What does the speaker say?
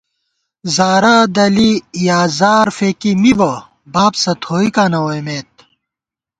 زارہ دَلی یا زار فېکی مِبہ بابسہ تھوئیکاں نہ ووئیمېت